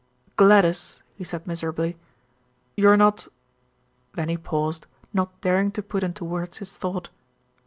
"Gladys," he said miserably, "you're not " then he paused, not daring to put into words his thought.